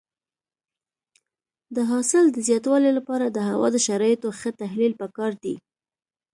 د حاصل د زیاتوالي لپاره د هوا د شرایطو ښه تحلیل پکار دی.